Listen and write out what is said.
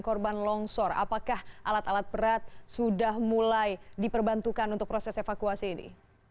korban longsor apakah alat alat berat sudah mulai diperbantukan untuk proses evakuasi ini